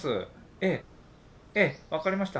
ええええ分かりました。